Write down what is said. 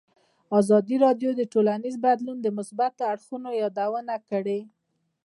ازادي راډیو د ټولنیز بدلون د مثبتو اړخونو یادونه کړې.